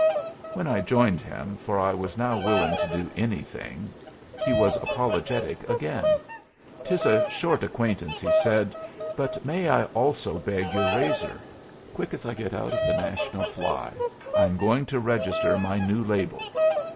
When I joined him, for I was now willing to do anything, he was apologetic again. "'Tis a short acquaintance," he said, "but may I also beg your razor? Quick as I get out of the National Fly I am going to register my new label.